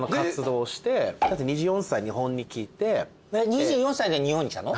２４歳で日本に来たの？